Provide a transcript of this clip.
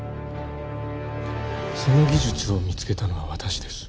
その技術を見つけたのは私です